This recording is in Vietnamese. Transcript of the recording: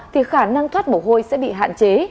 thì khả năng thoát mồ hôi sẽ bị hạn chế